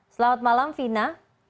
selamat malam vina